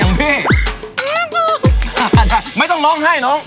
อื้อน้องหรอ